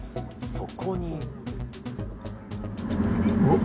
そこに。